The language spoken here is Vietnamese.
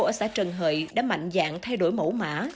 ở xã trần hợi đã mạnh dạng thay đổi mẫu mã